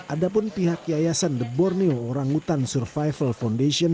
ada pun pihak yayasan the borneo orangutan survival foundation